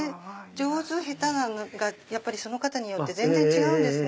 上手下手などがその方によって全然違うんです。